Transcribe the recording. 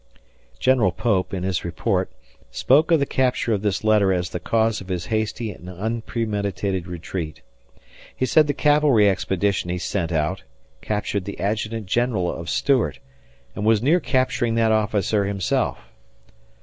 General Pope, in his report, spoke of the capture of this letter as the cause of his hasty and unpremeditated retreat. He said the cavalry expedition he sent out captured the Adjutant General of Stuart and was near capturing that officer himself.